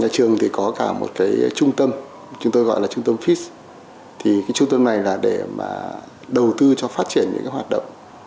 trung tâm chúng tôi gọi là trung tâm fis thì cái trung tâm này là để mà đầu tư cho phát triển những hoạt động